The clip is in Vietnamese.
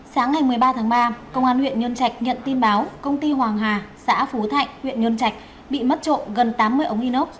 sáng ngày một mươi ba tháng ba công an huyện nhân trạch nhận tin báo công ty hoàng hà xã phú thạnh huyện nhân trạch bị mất trộm gần tám mươi ống inox